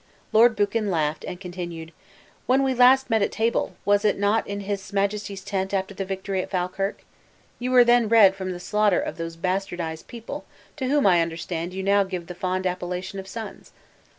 Lord Buchan laughed, and continued, "When we last met at table, was it not in his majesty's tent after the victory at Falkirk? You were then red from the slaughter of those bastardized people to whom I understand you now give the fond appellation of sons.